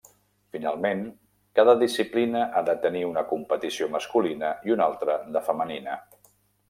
Finalment, cada disciplina ha de tenir una competició masculina i una altra de femenina.